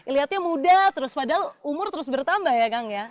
lihatnya muda terus padahal umur terus bertambah ya kang ya